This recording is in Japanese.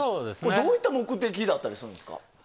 どういった目的だったりするんですか？